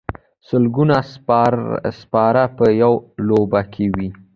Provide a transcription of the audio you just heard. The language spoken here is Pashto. سلګونه سپاره په یوه لوبه کې وي.